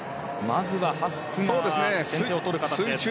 まずはハスクが先手を取る形です。